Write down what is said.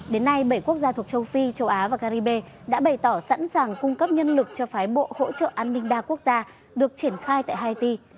đến nay bảy quốc gia thuộc châu phi châu á và caribe đã bày tỏ sẵn sàng cung cấp nhân lực cho phái bộ hỗ trợ an ninh đa quốc gia được triển khai tại haiti